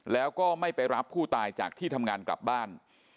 แล้วก็ไม่ไปรับผู้ตายจากที่ทำงานกลับบ้าน